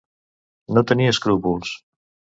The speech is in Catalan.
No tenir escrúpols.